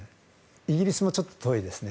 イギリスもちょっと遠いですね。